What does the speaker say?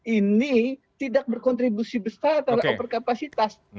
ini tidak berkontribusi besar terhadap overkapasitas